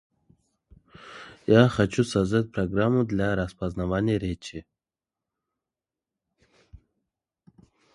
Он прошел в комнату, где спал Коля, и подергал его за плечо.